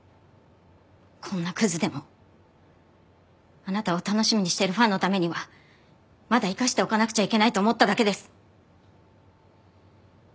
こんなクズでもあなたを楽しみにしているファンのためにはまだ生かしておかなくちゃいけないと思っただけです。